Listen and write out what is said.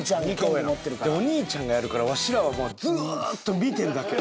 お兄ちゃんがやるからわしらはもうずーっと見てるだけ。